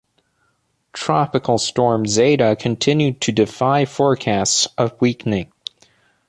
Tropical Storm Zeta continued to defy forecasts of weakening.